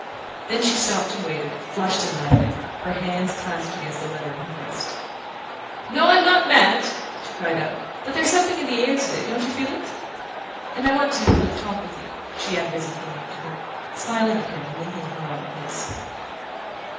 Then she stopped and waited, flushed and laughing, her hands clasped against the letter in her breast. "No, I'm not mad," she called out; "but there's something in the air today don't you feel it? And I wanted to have a little talk with you," she added as he came up to her, smiling at him and linking her arm in his.